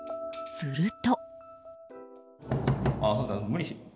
すると。